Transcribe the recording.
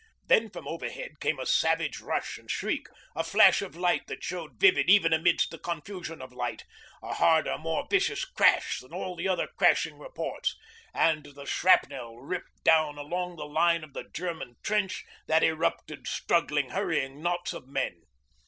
Then from overhead came a savage rush and shriek, a flash of light that showed vivid even amidst the confusion of light, a harder, more vicious crash than all the other crashing reports, and the shrapnel ripped down along the line of the German trench that erupted struggling, hurrying knots of men.